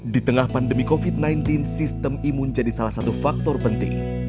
di tengah pandemi covid sembilan belas sistem imun jadi salah satu faktor penting